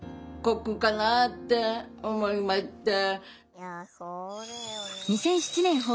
いやそうだよね。